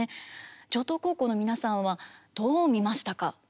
城東高校の皆さんはどう見ましたか？